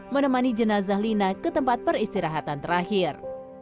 menemani jenazah lina ke tempat peristirahatan terakhir